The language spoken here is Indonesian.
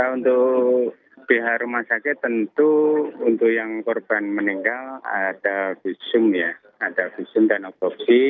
untuk pihak rumah sakit tentu untuk yang korban meninggal ada visum dan obopsi